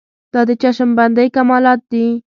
دا د چشم بندۍ کمالات دي.